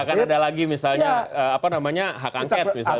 nggak akan ada lagi misalnya apa namanya hak angket misalnya